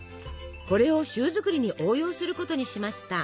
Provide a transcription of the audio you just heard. これをシュー作りに応用することにしました。